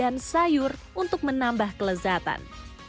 dan juga masukan sayur dan sayur untuk menambah kelezatan